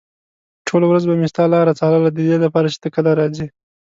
ټوله ورځ به مې ستا لاره څارله ددې لپاره چې ته کله راځې.